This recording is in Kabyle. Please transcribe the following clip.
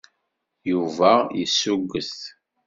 Yuba yessuget.